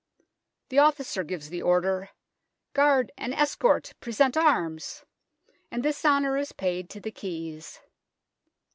The officer gives the order, " Guard and escort, present arms," and this honour is paid to the keys.